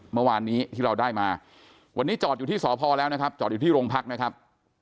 เมื่อวานนี้ที่เราได้มาวันนี้จอดอยู่ที่สพแล้วนะครับจอดอยู่ที่โรงพักนะครับ